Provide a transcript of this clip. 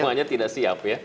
semuanya tidak siap ya